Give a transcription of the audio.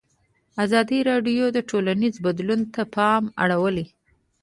ازادي راډیو د ټولنیز بدلون ته پام اړولی.